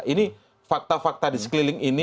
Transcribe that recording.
ini fakta fakta di sekeliling ini